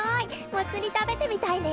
モツ煮食べてみたいね。